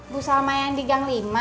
bu salma yang di gang lima